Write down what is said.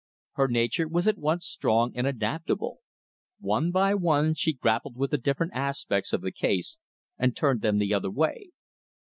Her nature was at once strong and adaptable. One by one she grappled with the different aspects of the case, and turned them the other way.